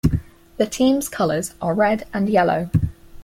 The team's colors are red and yellow.